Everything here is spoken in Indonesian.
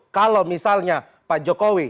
kalau misalnya pak jokowi